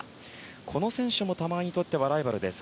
この選手も玉井にとってはライバルです。